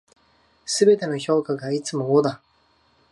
全ての評価がいつも五だ。